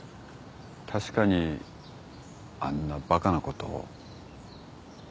確かにあんなバカなこと。